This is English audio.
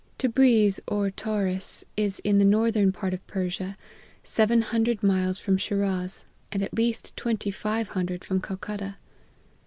Tebriz or Tauris, is in the northern part of Persia, seven hundred miles from Shiraz, and alfteast twenty five hundred from Cal cutta.